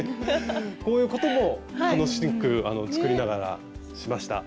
こういうことも楽しく作りながらしました。